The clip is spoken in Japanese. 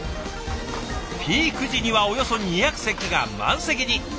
ピーク時にはおよそ２００席が満席に。